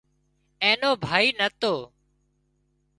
اين نو ڀائي نتو